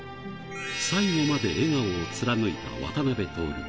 最後まで笑顔を貫いた渡辺徹。